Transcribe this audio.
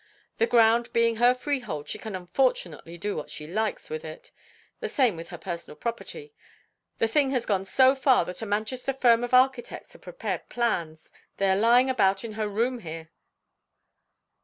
The ground being her freehold, she can unfortunately do what she likes with it; the same with her personal property. The thing has gone so far that a Manchester firm of architects have prepared plans; they are lying about in her room here."